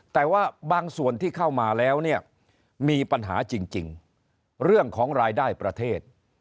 แต่ว่าบางส่วนที่เข้ามาแล้วเนี่ยมีปัญหาจริงเรื่องของรายได้ประเทศ